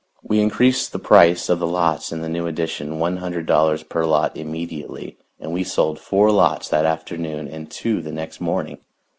We increased the price of the lots in the new addition one hundred dollars per lot immediately, and we sold four lots that afternoon and two the next morning.